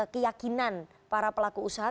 keyakinan para pelaku usaha